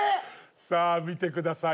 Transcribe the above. さあ見てください。